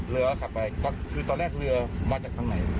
ขับไปก็คือตอนแรกเรือมาจากทางไหน